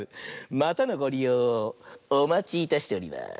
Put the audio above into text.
またのごりようをおまちいたしております。